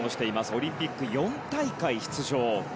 オリンピック４大会出場。